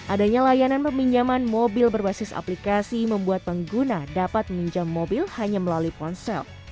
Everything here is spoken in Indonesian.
adanya layanan peminjaman mobil berbasis aplikasi membuat pengguna dapat meminjam mobil hanya melalui ponsel